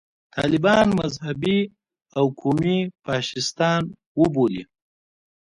طالبان مذهبي او قومي فاشیستان وبولي.